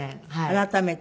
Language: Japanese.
改めて。